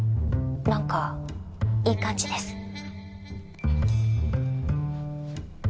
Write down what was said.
なんかいい感じです